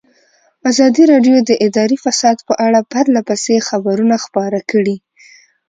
ازادي راډیو د اداري فساد په اړه پرله پسې خبرونه خپاره کړي.